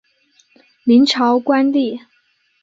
明朝官吏。